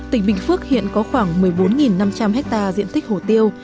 tỉnh bình phước hiện có khoảng một mươi bốn năm trăm linh hectare diện tích hồ tiêu